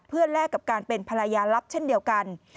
เพื่อแลกกับการเป็นภรรยาลับเช่นเดียวกัน